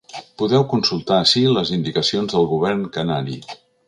Podeu consultar ací les indicacions del govern canari.